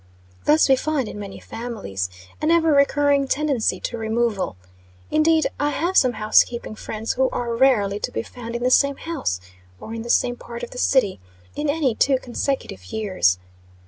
Thus, we find, in many families, an ever recurring tendency to removal. Indeed, I have some housekeeping friends who are rarely to be found in the same house, or in the same part of the city, in any two consecutive years.